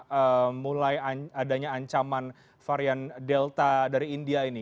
dari mulai adanya ancaman varian delta dari india ini